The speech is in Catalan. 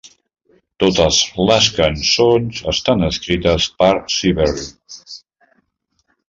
Totes les cançons estan escrites per Siberry.